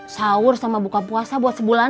sahur sama buka puasa buat sebulan